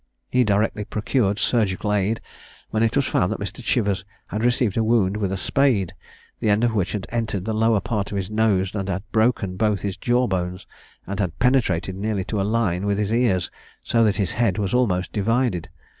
He directly procured surgical aid, when it was found that Mr. Chivers had received a wound with a spade, the end of which had entered the lower part of his nose, had broken both his jaw bones, and had penetrated nearly to a line with his ears, so that his head was almost divided.